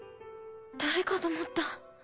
誰かと思った。